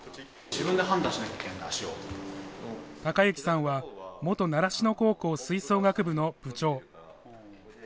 崇之さんは元習志野高校吹奏楽部の部長。